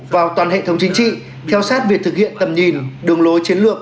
vào toàn hệ thống chính trị theo sát việc thực hiện tầm nhìn đường lối chiến lược